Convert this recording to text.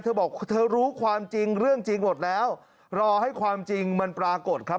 เธอบอกเธอรู้ความจริงเรื่องจริงหมดแล้วรอให้ความจริงมันปรากฏครับ